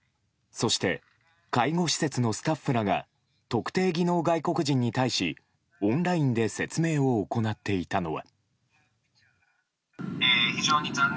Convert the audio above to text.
そして介護施設のスタッフらが特定技能外国人に対しオンラインで説明を行っていたのは。